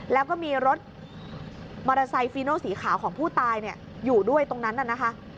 แล้วก็มีรถมอเตอร์ไซค์ฟีโนสีขาวของผู้ตายอยู่ด้วยตรงนั้นน่ะนะคะ